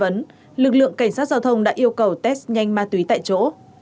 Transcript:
trong tuyến lực lượng cảnh sát giao thông đã yêu cầu test nhanh ma túy tại chỗ